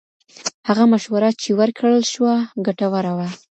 هغه مشوره چې ورکړل شوه، ګټوره وه.